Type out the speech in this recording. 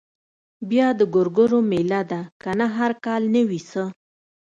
بيا د ګورګورو مېله ده کنه هر کال نه وي څه.